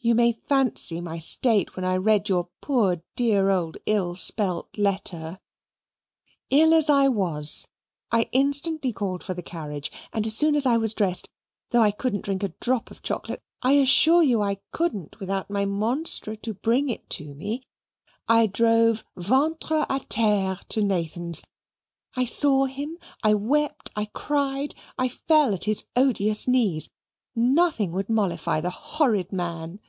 You may fancy my state when I read your poor dear old ill spelt letter. Ill as I was, I instantly called for the carriage, and as soon as I was dressed (though I couldn't drink a drop of chocolate I assure you I couldn't without my monstre to bring it to me), I drove ventre a terre to Nathan's. I saw him I wept I cried I fell at his odious knees. Nothing would mollify the horrid man.